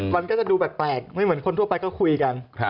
มันก็จะดูแปลกไม่เหมือนคนทั่วไปก็คุยกัน